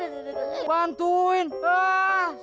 tidak lo yang melintir gue